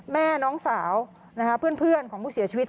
แม่น้องสาวเพื่อนของผู้เสียชีวิต